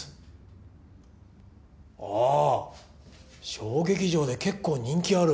小劇場で結構人気ある。